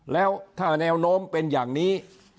แล้วถ้าแนวโน้มเป็นอย่างนี้